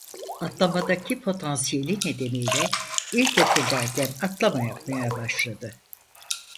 Atlamadaki potansiyeli nedeniyle ilkokuldayken atlama yapmaya başladı.